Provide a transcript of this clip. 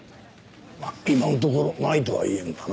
まあ今のところないとは言えんがな。